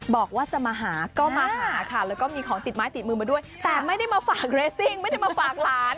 บอกว่าจะมาหาก็มาหาค่ะแล้วก็มีของติดไม้ติดมือมาด้วยแต่ไม่ได้มาฝากเรสซิ่งไม่ได้มาฝากหลาน